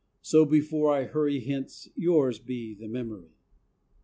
So, before I hurry hence, Yours be the memory.